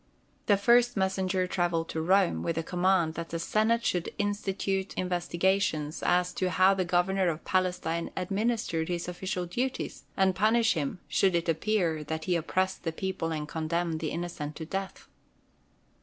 The first messenger traveled to Rome with the command that the Senate should institute investigations as to how the governor of Palestine administered his official duties and punish him, should it appear that he oppressed the people and condemned the innocent to death.